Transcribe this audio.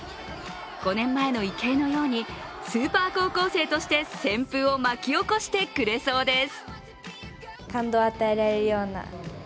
５年前の池江のように、スーパー高校生として旋風を巻き起こしてくれそうです。